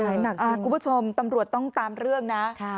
หนักคุณผู้ชมตำรวจต้องตามเรื่องนะ